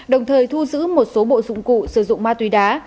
đồng thời thu giữ một số bộ dụng cụ sử dụng ma túy đá